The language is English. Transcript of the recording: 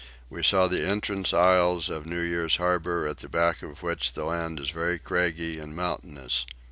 We saw the entrance isles of New Year's harbour at the back of which the land is very craggy and mountainous.